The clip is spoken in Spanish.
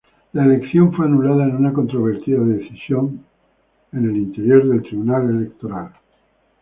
La elección fue anulada en una controvertida decisión al interior del Tribunal Electoral.